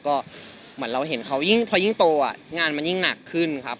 ก็เหมือนเราเห็นเขายิ่งพอยิ่งโตงานมันยิ่งหนักขึ้นครับ